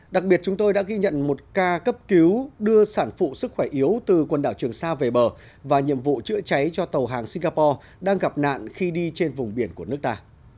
đặc biệt chúng tôi đã ghi nhận một ca cấp cứu đưa sản phụ sức khỏe yếu từ quần đảo trường sa về bờ và nhiệm vụ chữa cháy cho tàu hàng singapore đang gặp nạn khi đi trên vùng biển của nước ta